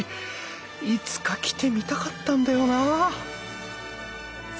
いつか来てみたかったんだよなあ